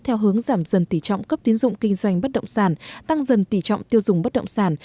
theo hướng giảm dần tỉ trọng cấp tiến dụng kinh doanh bất động sản tăng dần tỷ trọng tiêu dùng bất động sản